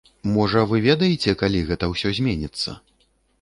Можа, вы ведаеце, калі гэта ўсё зменіцца?